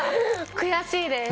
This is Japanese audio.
悔しいです。